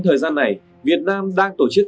thời gian này việt nam đang tổ chức